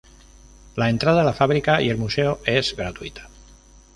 La entrada a la fábrica y el museo es gratuita.